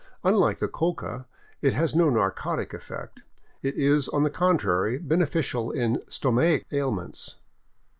Unlike the coca, it has no narcotic effect ; it is, on the con trary, beneficial in stomachic ailments.